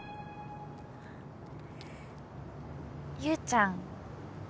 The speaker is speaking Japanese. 優ちゃん